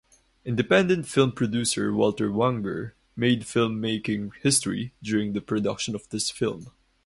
Independent film producer Walter Wanger made film-making history during the production of this film.